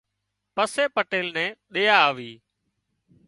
پسي پٽيل نين ۮيا آوي